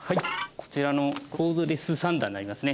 こちらのコードレスサンダになりますね。